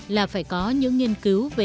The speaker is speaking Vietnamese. là phải có những nghiên cứu về